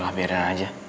udah biar dia aja